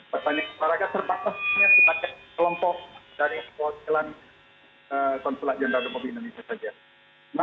banyak warga terbatasnya sebagai kelompok dari konsulat jenderal kemobinan itu saja